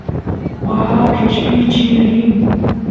waa qeshpichiy rin